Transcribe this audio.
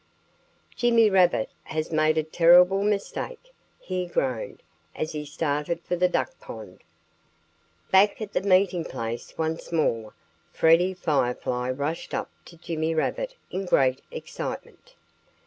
"Jimmy Rabbit has made a terrible mistake!" he groaned, as he started for the duck pond. Back at the meeting place once more, Freddie Firefly rushed up to Jimmy Rabbit in great excitement.